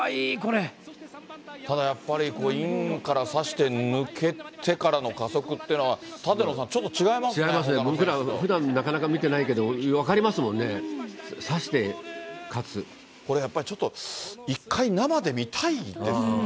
ただやっぱり、インからさして抜けてからの加速っていうのは、舘野さん、ちょっ違いますね、僕らふだん、なかなか見てないけど、分かりますもんね、これやっぱり、ちょっと一回、生で見たいですね。